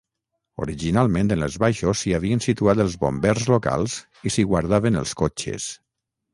Originalment en els baixos s'hi havien situat els bombers locals i s'hi guardaven els cotxes.